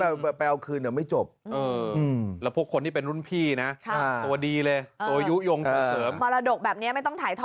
แล้วพวกคนที่เป็นรุ่นพี่นะตัวดีเลยตัวยู้ยงถือเสริม